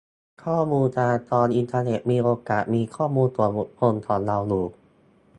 ข้อมูลจราจรอินเทอร์เน็ตมีโอกาสมีข้อมูลส่วนบุคคลของเราอยู่